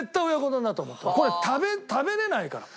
これ食べれないから。